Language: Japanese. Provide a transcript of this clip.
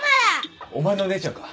お前の姉ちゃんか？